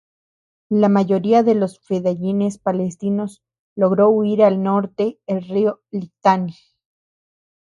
La mayoría de los fedayines palestinos logró huir al norte el Río Litani.